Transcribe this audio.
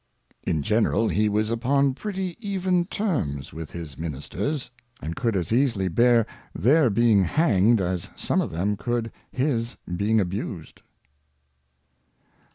In general, he was upon pretty even Terms with his Ministers, f and could as easily bear their being hanged as some of them could Ms being abused.